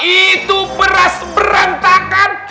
itu beras berantakan